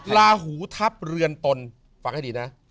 ลาหูทัพเรือนตนฟังให้ดีนะ